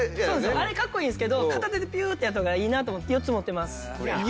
あれかっこいいですけど片手でピューッてやった方がいいなと思って４つ！？